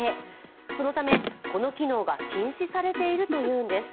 そのため、この機能が禁止されているというんです。